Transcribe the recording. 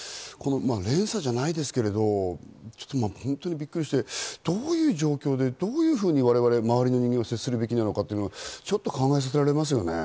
連鎖じゃないですけど、本当にびっくりして、どういう状況でどういうふうに周りの人間は接するべきなのか、考えさせられますよね。